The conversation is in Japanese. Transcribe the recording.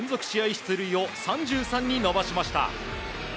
出塁を３３に伸ばしました。